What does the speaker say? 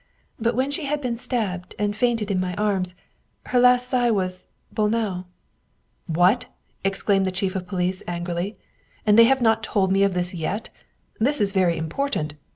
But when she had been stabbed and fainted in my arms, her last sigh was Bolnau." " What ?" exclaimed the chief of police angrily. " And they have not told me of this yet ? This is very important.